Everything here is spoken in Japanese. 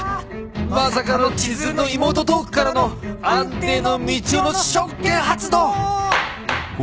まさかの千鶴の妹トークからの安定のみちおの職権発動！」